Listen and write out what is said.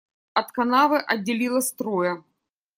От канавы отделилось трое.